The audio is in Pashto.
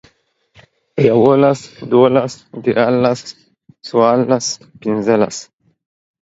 يوولس، دوولس، ديارلس، څوارلس، پينځلس